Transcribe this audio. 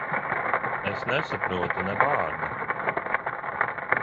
Es nesaprotu ne vārda.